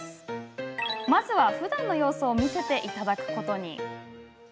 まずは、ふだんの様子を見せていただくことに。